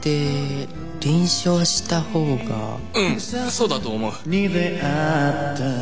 そうだと思う。